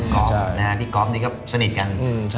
กอฟพี่กอฟนี่ก็สนิทกัน